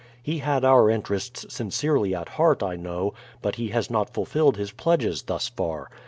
He had our interests sincerely at heart, I know; but he has not fulfilled his pledges thus far.